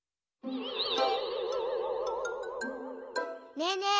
ねえねえ